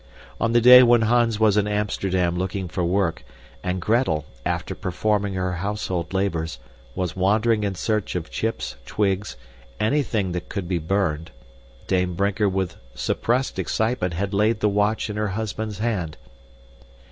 On the day when Hans was in Amsterdam looking for work, and Gretel, after performing her household labors, was wandering in search of chips, twigs, anything that could be burned, Dame Brinker with suppressed excitement had laid the watch in her husband's hand.